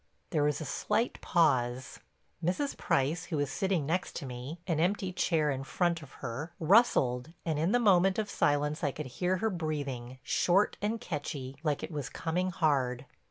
There was a slight pause. Mrs. Price, who was sitting next to me, an empty chair in front of her, rustled and in the moment of silence I could hear her breathing, short and catchy, like it was coming hard.